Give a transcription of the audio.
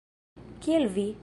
Kiel vi?